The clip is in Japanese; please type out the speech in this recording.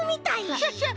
クシャシャ！